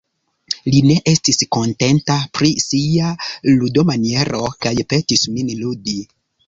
Li ne estis kontenta pri sia ludomaniero kaj petis min ludi.